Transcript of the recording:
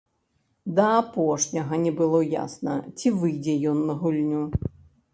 Да апошняга не было ясна, ці выйдзе ён на гульню.